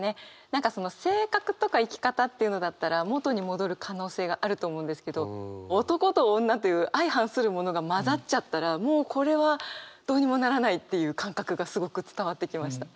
何か性格とか生き方っていうのだったら元に戻る可能性があると思うんですけど男と女という相反するものが交ざっちゃったらもうこれはどうにもならないっていう感覚がすごく伝わってきました。